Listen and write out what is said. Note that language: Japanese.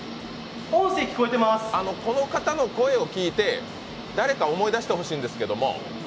この方の声を聞いて、誰か思い出してほしいんですけども。